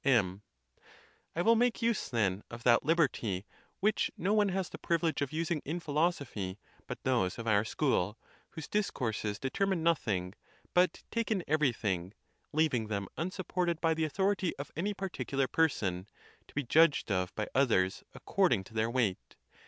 — M. I will make use, then, of that liberty which no one has the privilege of using in philosophy but those of our school, whose discourses determine nothing, but take in everything, leaving them unsupported by the authority of any particular person, to be judged of by others, accord ing to their weight.